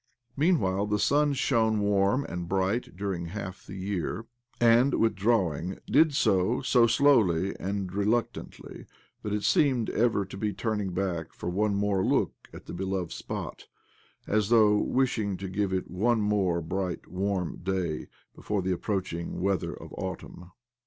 Meanwhile the sun shone warm and bright during half the year, and, with drawing, did so so slowly and reluctantly that it seemed ever to be turning back for one more look at the beloved spot, as though wishing to give it one more, bright, warm day before the approaching weather of autumn.